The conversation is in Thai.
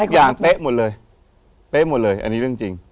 ทุกอย่างเป๊ะหมดเลยอันนี้เรื่องจริง